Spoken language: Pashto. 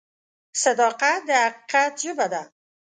صداقت د حقیقت ژبه ده.